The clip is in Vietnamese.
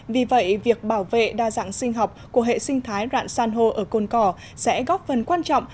vì vậy việc bảo vệ đa dạng sinh học của hệ sinh thái rạn san hô ở côn cỏ sẽ góp phần quan trọng